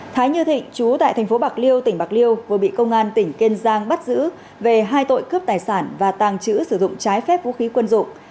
thái như thịnh chú tại thành phố bạc liêu tỉnh bạc liêu vừa bị công an tỉnh kiên giang bắt giữ về hai tội cướp tài sản và tàng trữ sử dụng trái phép vũ khí quân dụng